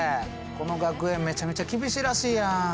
この学園めちゃめちゃ厳しいらしいやん。